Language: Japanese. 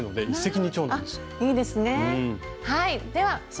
はい！